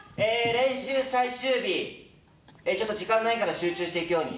練習最終日、ちょっと時間ないから、集中していくように。